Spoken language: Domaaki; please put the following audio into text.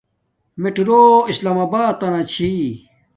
میتڑرو اسلام آباتنا چھی